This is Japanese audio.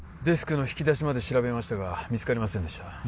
デスクの引き出しまで調べましたが見つかりませんでした